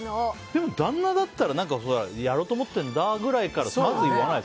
でも、旦那だったらやろうと思ってるんだくらいから